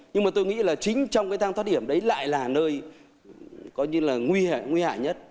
nhưng mà tôi nghĩ là chính trong cái thang thoát điểm đấy lại là nơi có như là nguy hại nhất